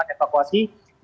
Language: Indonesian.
untuk melakukan evakuasi